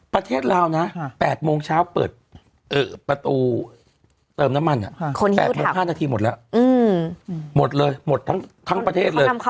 ประเทศลาวนะ๘โมงเช้าเปิดประตูเติมน้ำมัน๘โมง๕นาทีหมดแล้วหมดเลยหมดทั้งประเทศเลย